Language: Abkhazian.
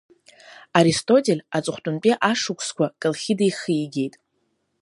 Аристотель аҵыхәтәантәи ишықәсқәа Колхида ихигеит.